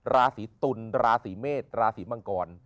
ราศีตุลราศีเมษราศีมังกร